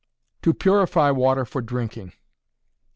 _To Purify Water for Drinking.